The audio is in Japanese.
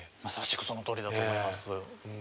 まさしくそのとおりだと思います。